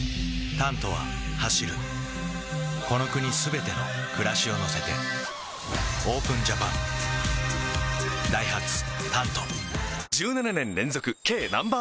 「タント」は走るこの国すべての暮らしを乗せてＯＰＥＮＪＡＰＡＮダイハツ「タント」１７年連続軽ナンバーワン